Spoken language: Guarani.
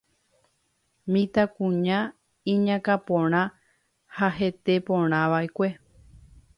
Mitãkuña iñakãporã ha heteporãva'ekue.